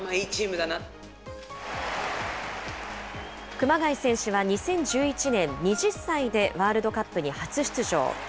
熊谷選手は２０１１年、２０歳でワールドカップに初出場。